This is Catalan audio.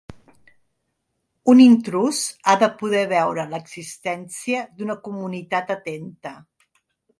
Un intrús ha de poder veure l'existència d'una comunitat atenta.